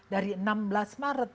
dari enam belas maret